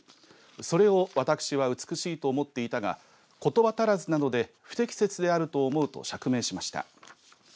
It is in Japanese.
それを私は美しいと思っていたがことば足らずなので不適切であると思うと釈明しました。